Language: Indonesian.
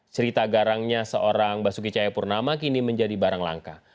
cerita garangnya seorang basuki cahayapurnama kini menjadi barang langka